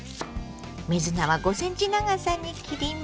水菜は５ｃｍ長さに切ります。